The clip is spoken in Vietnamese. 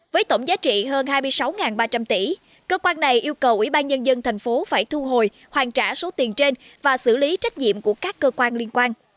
với tổng giá trị hơn hai mươi sáu ba trăm linh tỷ cơ quan này yêu cầu ủy ban nhân dân tp hcm phải thu hồi hoàn trả số tiền trên và xử lý trách nhiệm của các cơ quan liên quan